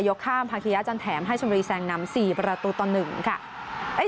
ยกข้ามภาคียะจันแถมให้ชมรีแซงนำสี่ประตูต่อหนึ่งค่ะเอ้ย